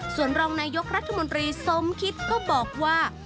ส่วนรองนายกรัฐมนตรีสมคิดก็บอกว่า